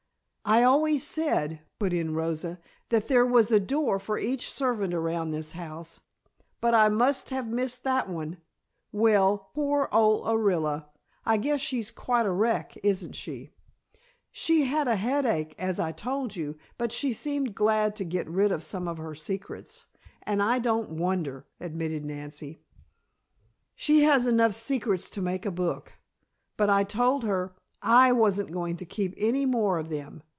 "I always said," put in Rosa, "that there was a door for each servant around this house, but I must have missed that one. Well, poor old Orilla! I guess she's quite a wreck, isn't she?" "She had a headache, as I told you, but she seemed glad to get rid of some of her secrets, and I don't wonder," admitted Nancy. "She has enough secrets to make a book. But I told her I wasn't going to keep any more of them.